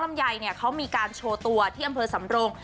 ลำยยัยเนี้ยเขามีการโชว์ตัวที่อำเผอร์สำโรง